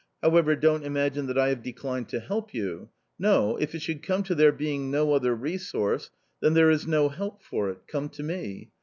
However, don't imagine that I have declined to help you ; no, if it should come to there being no other resource, then there is no help for it, come to me.